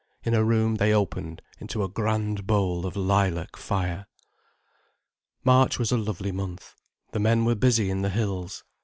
In her room they opened into a grand bowl of lilac fire. March was a lovely month. The men were busy in the hills.